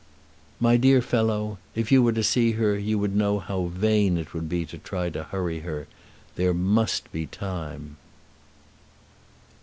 "My dear fellow, if you were to see her you would know how vain it would be to try to hurry her. There must be time."